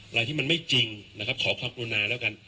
อะไรที่มันไม่จริงนะครับขอความกรุณาแล้วกัน